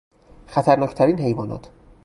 خطرناک ترین حیوانات